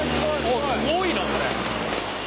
おっすごいなこれ。